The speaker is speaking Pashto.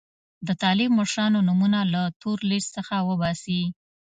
د طالب مشرانو نومونه له تور لیست څخه وباسي.